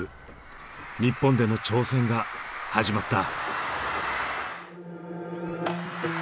日本での挑戦が始まった。